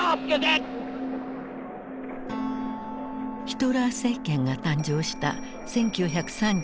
ヒトラー政権が誕生した１９３３年。